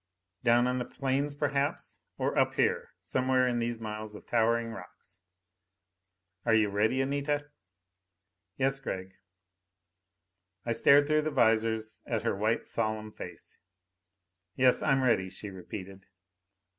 Down on the plains, perhaps? Or up here, somewhere in these miles of towering rocks? "Are you ready, Anita?" "Yes, Gregg." I stared through the visors at her white solemn face. "Yes, I'm ready," she repeated.